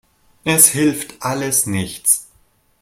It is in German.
Es hilft alles nichts.